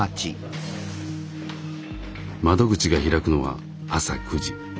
窓口が開くのは朝９時。